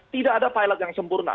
tidak ada pilot yang sempurna